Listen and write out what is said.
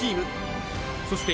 ［そして］